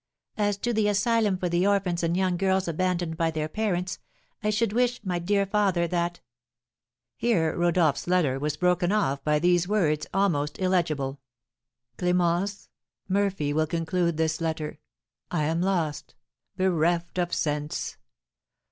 "As to the asylum for the orphans and young girls abandoned by their parents, I should wish, my dear father, that " Here Rodolph's letter was broken off by these words, almost illegible: "Clémence, Murphy will conclude this letter! I am lost, bereft of sense!